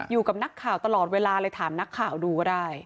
อยู่กับนักข่าวตลอดเวลาเลยถามนักข่าวดูก็ได้